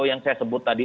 yang saya sebut tadi